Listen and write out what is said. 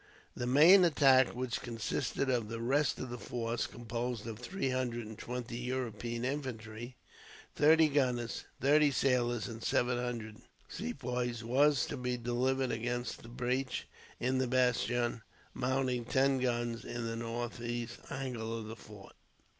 The main attack, which consisted of the rest of the force, composed of three hundred and twenty European infantry, thirty gunners, thirty sailors, and seven hundred Sepoys, was to be delivered against the breach in the bastion, mounting ten guns, in the northeast angle of the fort.